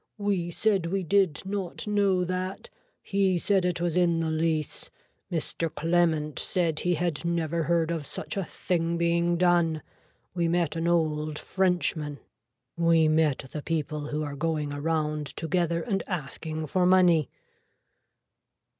We said we did not know that. He said it was in the lease. Mr. Clement said he had never heard of such a thing being done. We met an old frenchman. We met the people who are going around together and asking for money.